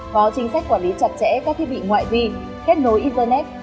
có chính sách quản lý chặt chẽ các thiết bị ngoại vi kết nối internet